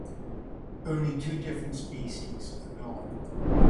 Only two different species are known.